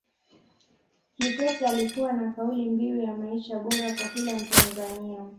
Kikwete alikuwa na kauli mbiu ya maisha bora kwa kila mtanzania